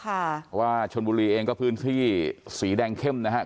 เพราะว่าชนบุรีเองก็พื้นที่สีแดงเข้มนะครับ